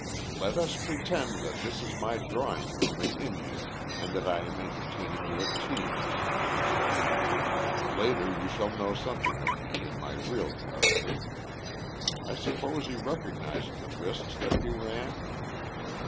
"'Let us pretend that this is my drawing room in India, and that I am entertaining you at tea,' she said. 'Later you shall know something of me in my real character. I suppose you recognized the risks that you ran?'